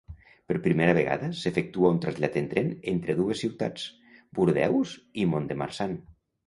Per primera vegada s'efectua un trasllat en tren entre dues ciutats, Bordeus i Mont-de-Marsan.